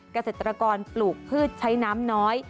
เกษตรกรปลูกพืชใช้น้ำน้อย